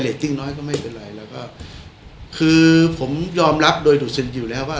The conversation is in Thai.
ติ้งน้อยก็ไม่เป็นไรเราก็คือผมยอมรับโดยดุสิตอยู่แล้วว่า